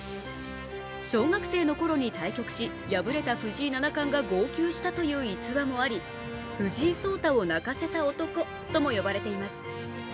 小学生のころに対局し、敗れた藤井七冠が号泣したという逸話もあり、藤井聡太を泣かせた男とも呼ばれています。